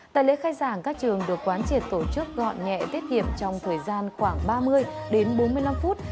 tại lễ khai giảng các trường được quán triệt tổ chức gọn nhẹ tiết hiệp trong thời gian khoảng ba mươi đến bốn mươi năm phút